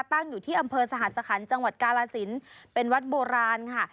ตั้งอยู่ที่อำเภอสหัสคันจังหวัดกาลสินเป็นวัดโบราณค่ะ